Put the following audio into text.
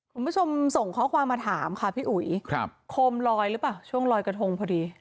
คุณผู้ชมส่งข้อความมาถามค่ะพี่อุ๋ยครับโคมลอยหรือเปล่าช่วงลอยกระทงพอดี